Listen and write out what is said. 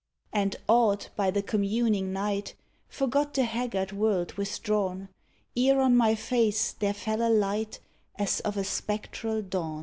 And, awed by the communing night, Forgot the haggard world withdrawn. Ere on my face there fell a light As of a spectral dawn.